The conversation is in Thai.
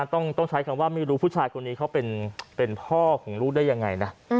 ต้องใช้คำว่าไม่รู้ผู้ชายคนนี้เขาเป็นพ่อของลูกได้ยังไงนะ